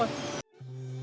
tại chính con phố